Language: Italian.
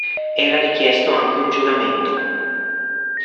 Era richiesto anche un giuramento.